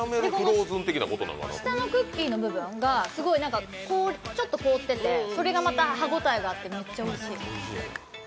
下のクッキーの部分がちょっと凍ってて、それがまた歯応えがあってめっちゃおいしい。